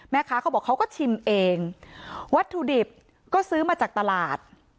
เขาบอกเขาก็ชิมเองวัตถุดิบก็ซื้อมาจากตลาด